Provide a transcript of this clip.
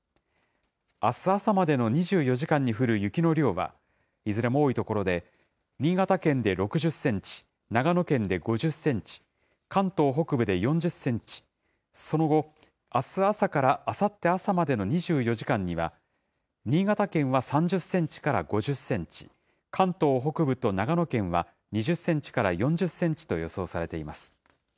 あす朝までの２４時間に降る雪の量は、いずれも多い所で新潟県で６０センチ、長野県で５０センチ、関東北部で４０センチ、その後、あす朝からあさって朝までの２４時間には、新潟県は３０センチから５０センチ、関東北部と長野県は２０センチから４０センチと予想されています。